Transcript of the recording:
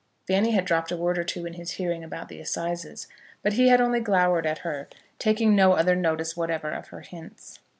Fanny had dropped a word or two in his hearing about the assizes, but he had only glowered at her, taking no other notice whatever of her hints.